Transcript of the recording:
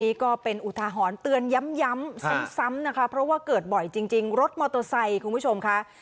นี่ก็เป็นอุทาหรณ์เตือนย้ำซ้ำนะคะเพราะว่าเกิดบ่อยจริงรถมอเตอร์ไซค์คุณผู้ชมค่ะ